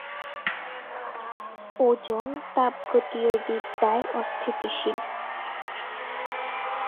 Ozone তাপগতীয়বিদ্যায় অস্থিতিশীল।